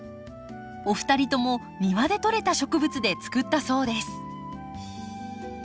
お二人とも庭でとれた植物で作ったそうです。